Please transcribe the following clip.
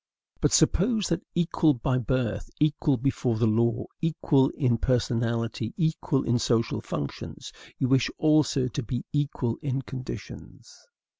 But suppose that, equal by birth, equal before the law, equal in personality, equal in social functions, you wish also to be equal in conditions.